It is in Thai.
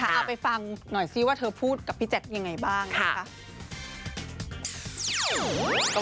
เอาไปฟังหน่อยซิว่าเธอพูดกับพี่แจ๊คยังไงบ้างนะคะ